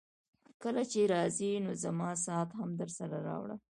کله چي راځې نو زما ساعت هم درسره راوړه.